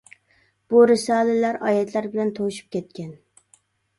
بۇ رىسالىلەر ئايەتلەر بىلەن توشۇپ كەتكەن.